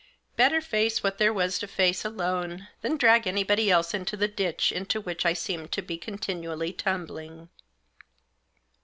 Better face what there was to face alone, than drag anybody else into the ditch into which I seemed to be con tinually tumbling.